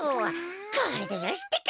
これでよしってか！